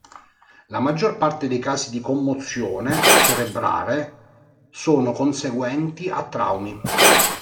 La maggior parte dei casi di commozione cerebrale sono conseguenti a traumi.